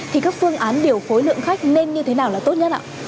thì các phương án điều phối lượng khách nên như thế nào là tốt nhất ạ